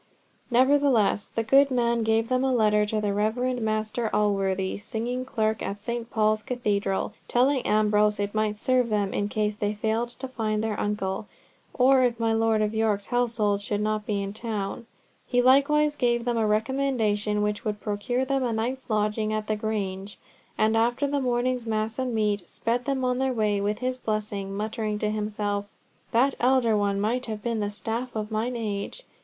Nevertheless the good man gave them a letter to the Reverend Master Alworthy, singing clerk at St. Paul's Cathedral, telling Ambrose it might serve them in case they failed to find their uncle, or if my Lord of York's household should not be in town. He likewise gave them a recommendation which would procure them a night's lodging at the Grange, and after the morning's mass and meat, sped them on their way with his blessing, muttering to himself, "That elder one might have been the staff of mine age!